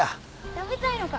食べたいのか？